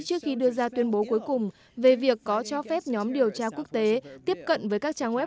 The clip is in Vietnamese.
trước khi đưa ra tuyên bố cuối cùng về việc có cho phép nhóm điều tra quốc tế tiếp cận với các trang web